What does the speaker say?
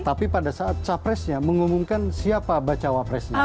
tapi pada saat capresnya mengumumkan siapa bacawapresnya